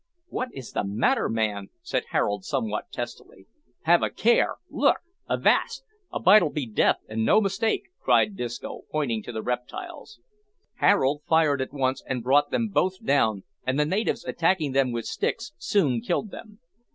"What is the matter, man?" said Harold somewhat testily. "Have a care! look! Avast! A bite'll be death, an' no mistake!" cried Disco, pointing to the reptiles. Harold fired at once and brought them both down, and the natives, attacking them with sticks, soon killed them.